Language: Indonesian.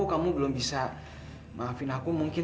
kamu belum bisa maafin aku mungkin